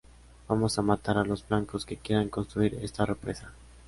Vamos a matar a los blancos que quieren construir esta represa".